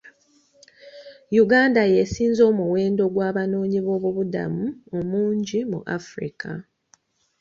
Uganda y'esinza omuwendo gw'abanoonyiboobubudamu omungi mu Africa.